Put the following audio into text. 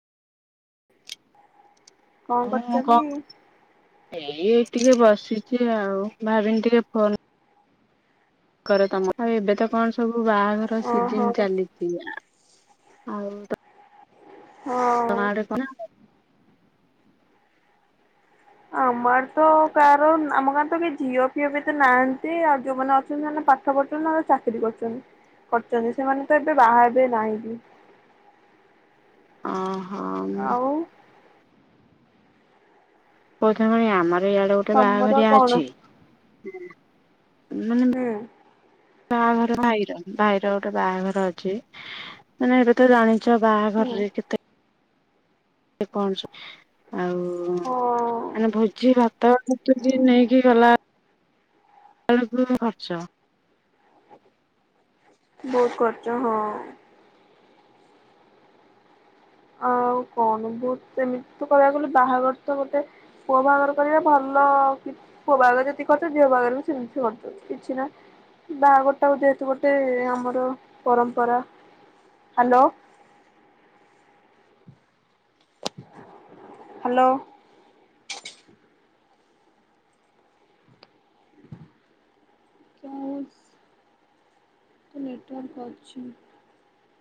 କଣ କରୁଛ କି? [unintelligible] ଏଇ ଟିକେ ବସିଛି ଆଉ ଭାବିନି ଟିକେ ଫୋନ କର ତମ ଏବେ ତ କଣ ସବୁ ବାହାଘର ଓହୋ ସିଜିନ ଚାଲିଛି ଆଉ ହଁ। [unintelligible] ଆମ ଆଡେ ତ କାହାର ଆମ ଗାଁରେ ତ କିଏ ଝିଅ ଫିଅ ବି ଏତେ ନାହାନ୍ତି ଆଉ ଯୋଉମାନେ ଅଛନ୍ତି ସେମାନେ ପାଠ ପାଠ ପଢୁଛନ୍ତି ନ ହେଲେ ଚାକିରି କରୁଛନ୍ତି ସେମାନେ ତ ଏବେ ବାହା ହେବେ ନାଇ ବି। ଅହ ହୁଁ। ଆଉ [unintelligible] ଆମର ଇଆଡେ ଗୋଟେ ତମର ବାହାଘରିଆ କଣ ଅଛି। [unintelligible] ହୁଁ ବାହାଘର ଭାଇର ଭାଇର ଗୋଟେ ବାହାଘର ଅଛି ମାନେ ଏବେ ତ ଜାଣି [unintelligible] ହୁଁ ବାହାଘରରେ କେତେ? [unintelligible] ଆଉ ହଁ ମାନେ ଭୋଜି, ଭାତ [inaudible] ନେଇକି ଗଲା [unintelligible] ବହୁତ ଖର୍ଚ୍ଚ ହଁ। ଆଉ କଣ ବହୁତ ସେମିତି ତ କହିବାକୁ ଗଲେ ବାହାଘର ତ ଗୋଟେ ପୁଅ ବାହାଘର କରିବା ଭଲ [inaudible] ପୁଅ ବାହାଘର ଯେତିିକି ଖର୍ଚ୍ଚ ଝିଅ ବାହାଘର ବି ସେମିତି ଖର୍ଚ୍ଚ। କିଛିନାହିଁ ବାହାଘର ଟା ଗୋଟେ ଯେହେତୁ ଗୋଟେ ଆମର ପରମ୍ପରା। ହାଲୋ। ହାଲୋ। [unintelligible] ତ ନେଟୱାର୍କ୍ ଅଛି।